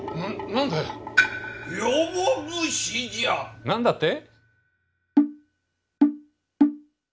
何だって？